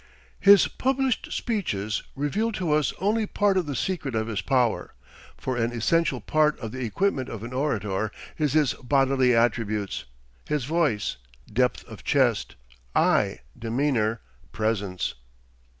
His published speeches reveal to us only part of the secret of his power, for an essential part of the equipment of an orator is his bodily attributes, his voice, depth of chest, eye, demeanor, presence.